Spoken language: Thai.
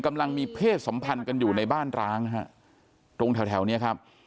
กำลังมีเพศสัมพันธ์กันอยู่ในบ้านร้างฮะตรงแถวแถวเนี้ยครับ